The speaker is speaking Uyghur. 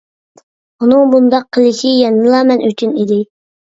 ئۇنىڭ بۇنداق قىلىشى يەنىلا مەن ئۈچۈن ئىدى.